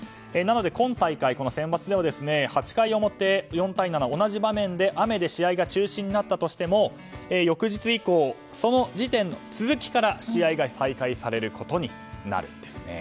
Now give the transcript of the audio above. なので、今大会のセンバツでは８回表、４対７で同じ場面で雨で試合が中止になったとしても翌日以降、その続きから試合が再開されることになるんです。